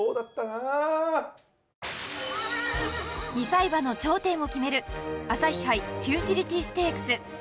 ２歳馬の頂点を決める朝日杯フューチュリティステークス